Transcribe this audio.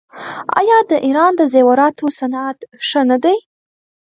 آیا د ایران د زیوراتو صنعت ښه نه دی؟